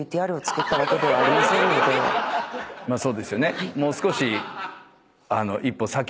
まあそうですよね。